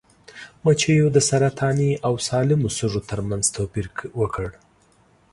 مچیو د سرطاني او سالمو سږو ترمنځ توپیر وکړ.